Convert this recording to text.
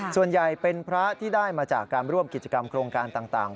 ส่วนใหญ่เป็นพระที่ได้มาจากการร่วมกิจกรรมโครงการต่าง